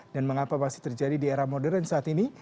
dan mengapa masih terjadi di era modern saat ini